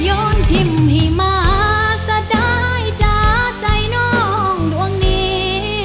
ยนทิมหิมาสดายจาใจนองดวงนี้